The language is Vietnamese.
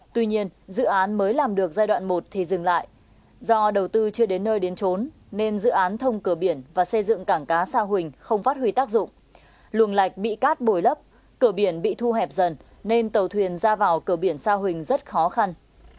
tuy nhiên dự án mới làm được giai đoạn một thì dừng lại do đầu tư chưa đến nơi đến trốn nên dự án thông cửa biển và xây dựng cảng cá sa huỳnh không phát huy tác dụng luồng lạch bị cát bồi lấp cửa biển bị thu hẹp dần nên tàu thuyền ra vào cửa biển sa huỳnh rất khó khăn